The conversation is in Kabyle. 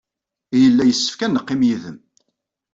Yella yessefk ad neqqim yid-m.